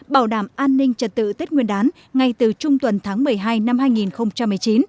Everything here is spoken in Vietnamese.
bảo đảm an ninh trật tự tết nguyên đán ngay từ trung tuần tháng một mươi hai năm hai nghìn một mươi chín